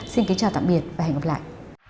xin kính chào tạm biệt và hẹn gặp lại